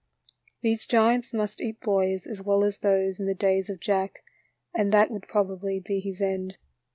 These giants must eat boys as well as those in the days of Jack, and that would probably be his end.